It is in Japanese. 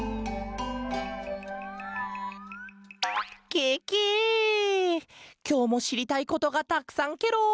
ケケきょうもしりたいことがたくさんケロ。